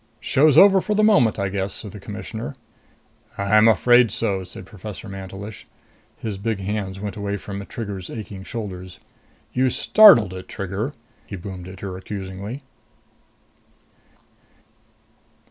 "Show's over for the moment, I guess," said the Commissioner. "I'm afraid so," said Professor Mantelish. His big hands went away from Trigger's aching shoulders. "You startled it, Trigger!" he boomed at her accusingly.